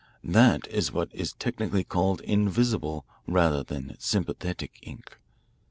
That is what is technically called invisible rather than sympathetic ink."